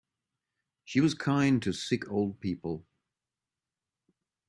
She was kind to sick old people.